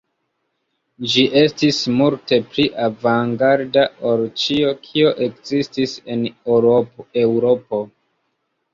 Ĝi estis multe pli avangarda ol ĉio, kio ekzistis en Eŭropo.